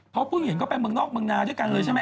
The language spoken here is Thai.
เพราะเพิ่งเห็นก็ไปเมืองนอกเมืองนาด้วยกันเลยใช่ไหม